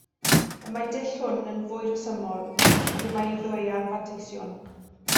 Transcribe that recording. Y mae y dull hwn yn fwy rhesymol, ond y mae iddo ei anfanteision.